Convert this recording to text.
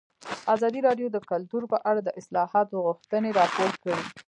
ازادي راډیو د کلتور په اړه د اصلاحاتو غوښتنې راپور کړې.